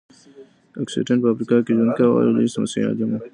اګوستين په افریقا کي ژوند کاوه او يو لوی مسيحي عالم و.